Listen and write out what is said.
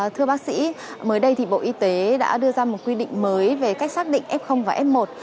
thưa bác sĩ mới đây thì bộ y tế đã đưa ra một quy định mới về cách xác định f và f một